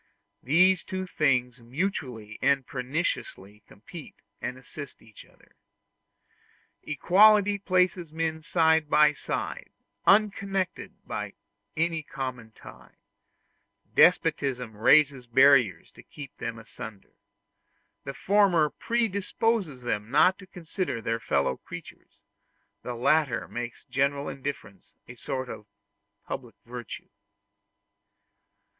These two things mutually and perniciously complete and assist each other. Equality places men side by side, unconnected by any common tie; despotism raises barriers to keep them asunder; the former predisposes them not to consider their fellow creatures, the latter makes general indifference a sort of public virtue.